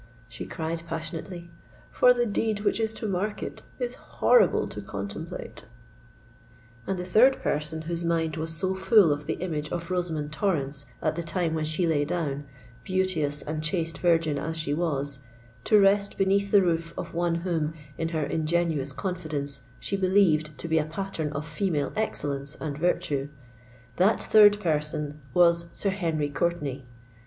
she cried passionately: "for the deed which is to mark it, is horrible to contemplate!" And the third person whose mind was so full of the image of Rosamond Torrens, at the time when she lay down—beauteous and chaste virgin as she was—to rest beneath the roof of one whom, in her ingenuous confidence, she believed to be a pattern of female excellence and virtue,—that third person was Sir Henry Courtenay.